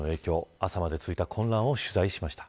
朝まで続いた混乱を取材しました。